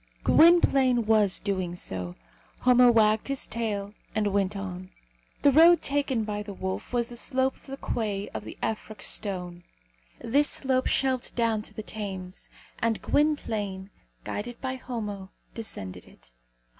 Gwynplaine was doing so. Homo wagged his tail, and went on. The road taken by the wolf was the slope of the quay of the Effroc stone. This slope shelved down to the Thames; and Gwynplaine, guided by Homo, descended it.